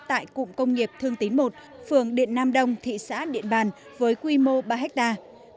tại cụng công nghiệp thương tín một phường điện nam đông thị xã điện bàn với quy mô ba hectare